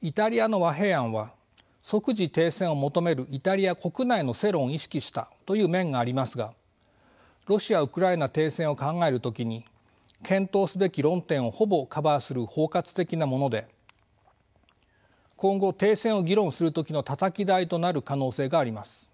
イタリアの和平案は即時停戦を求めるイタリア国内の世論を意識したという面がありますがロシア・ウクライナ停戦を考える時に検討すべき論点をほぼカバーする包括的なもので今後停戦を議論する時のたたき台となる可能性があります。